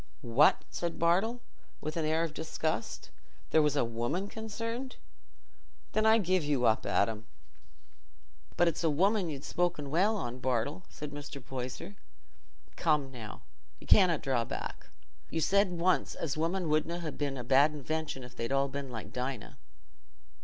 "What!" said Bartle, with an air of disgust. "Was there a woman concerned? Then I give you up, Adam." "But it's a woman you'n spoke well on, Bartle," said Mr. Poyser. "Come now, you canna draw back; you said once as women wouldna ha' been a bad invention if they'd all been like Dinah."